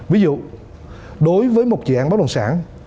ví dụ đối với một dạng bất đồng sản